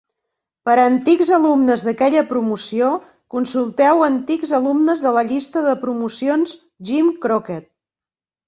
Per a antics alumnes d'aquella promoció, consulteu antics alumnes de la Llista de promocions Jim Crockett.